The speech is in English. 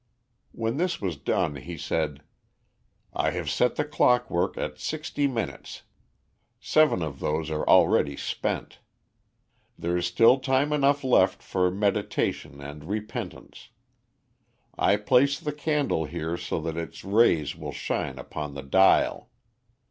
When this was done, he said: "I have set the clockwork at sixty minutes; seven of those are already spent. There is still time enough left for meditation and repentance. I place the candle here so that its rays will shine upon the dial.